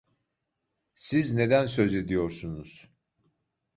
Siz neden söz ediyorsunuz?